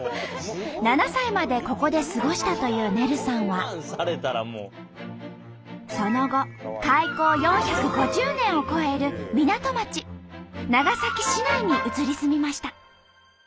７歳までここで過ごしたというねるさんはその後開港４５０年を超える港町長崎市内に移り住みました。